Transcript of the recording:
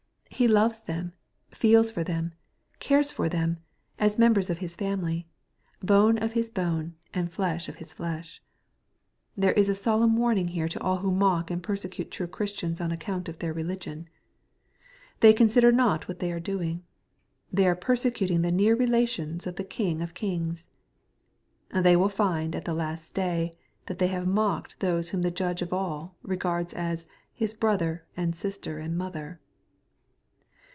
He loves them, feels for them, cares for them, as members of His family, bone of His bone, and flesh of His flesh. There is a solemn warning here to all who mock and persecute true Christians on account of their religion. They consider not what they are doing. They are per secuting the near relations of the King of kings. They will find at the last day that they have mocked those whom the Judge of all regards as " His brother, and sister, and mother."